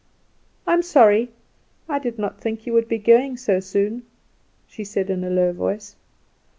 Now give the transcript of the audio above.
"I'm sorry. I did not think you would be going so soon," she said in a low voice.